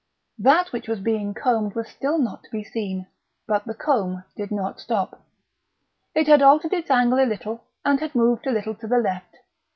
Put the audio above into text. That which was being combed was still not to be seen, but the comb did not stop. It had altered its angle a little, and had moved a little to the left.